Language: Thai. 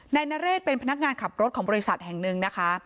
นายนเรศเป็นพนักงานขับรถของบริษัทแห่งหนึ่งนะคะ